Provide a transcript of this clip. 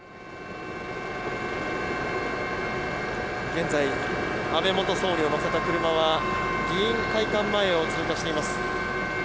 現在安倍元総理を乗せた車は議員会館前を通過しています。